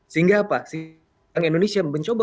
sehingga apa si bank indonesia mencoba